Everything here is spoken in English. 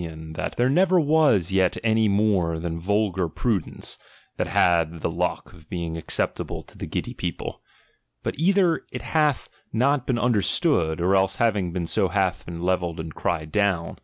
Ill there was never yet any more than vulgar pru dence, that liad the luck of being acceptable to the giddy people ; but either it hath not been under stood, or else having been so hath been levelled and cried down.